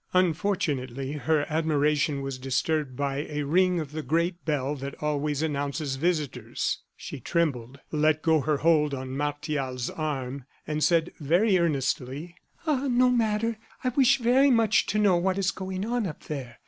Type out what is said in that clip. Unfortunately, her admiration was disturbed by a ring of the great bell that always announces visitors. She trembled, let go her hold on Martial's arm, and said, very earnestly: "Ah, no matter. I wish very much to know what is going on up there.